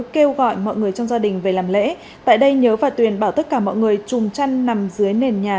kêu gọi mọi người trong gia đình về làm lễ tại đây nhớ và tuyền bảo tất cả mọi người trùng chăn nằm dưới nền nhà